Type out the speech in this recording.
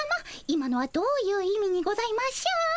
今のはどういう意味にございましょう？